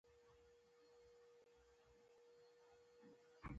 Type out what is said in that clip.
اوس یې کتلی شم؟